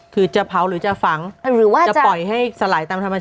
คือจะเผาหรือจะฝังหรือว่าจะปล่อยให้สลายตามธรรมชาติ